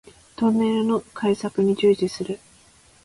トンネルの開削に従事する